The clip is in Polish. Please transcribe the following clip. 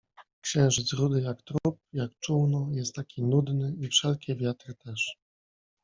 Księżyc «rudy», «jak trup», «jak czółno» jest taki nudny i «wszelkie wiatry» też.